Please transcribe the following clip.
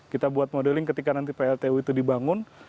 kita buat modeling ketika nanti pltu itu dibangun